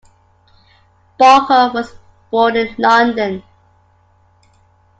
Barker was born in London.